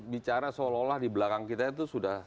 bicara seolah olah di belakang kita itu sudah